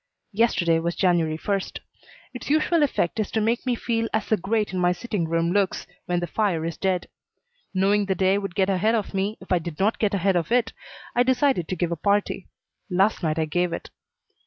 Yesterday was January first. Its usual effect is to make me feel as the grate in my sitting room looks when the fire is dead. Knowing the day would get ahead of me if I did not get ahead of it, I decided to give a party. Last night I gave it.